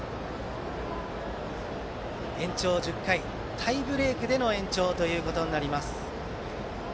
延長１０回タイブレークでの延長となります。